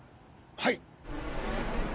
はい！